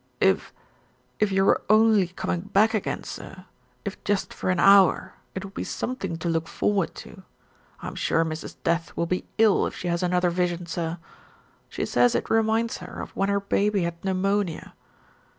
"If if you were only coming back again, sir, if just for an hour, it would be something to look forward to. I'm sure Mrs. Death will be ill if. she has another vision, sir. She says it reminds her of when her baby had pneumonia.